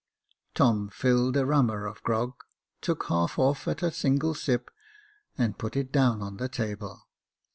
Tom filled a rummer of grog, took half off at a huge sip, and put it down on the table.